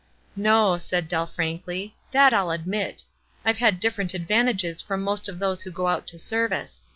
"No," said Dell, frankly; "that I'll admit. I've had different advantages from most of thoso who go out to service.